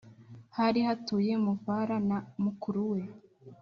hari hatuye muvara na mukuru we